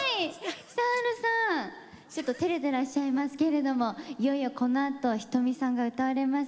久春さん、ちょっとてれていらっしゃいますけどいよいよ、このあと仁美さんが歌われます。